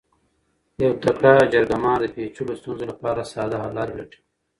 یو تکړه جرګه مار د پیچلو ستونزو لپاره ساده حل لارې لټوي.